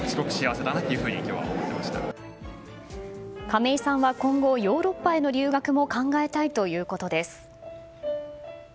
亀井さんは今後ヨーロッパへの留学も考えたいということです。